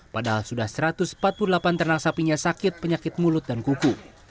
padahal sudah satu ratus empat puluh delapan ternak sapinya sakit penyakit mulut dan kuku